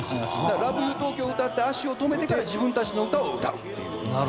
『ラブユー東京』を歌って足を止めてから自分たちの歌を歌うっていう。